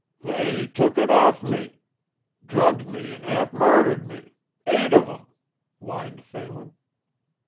"They took it off me drugged me an' half murthered me eight of 'em," whined Phelan.